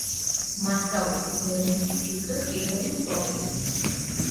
მასწავლებლის ეროვნული ჯილდოს პირველი მფლობელი.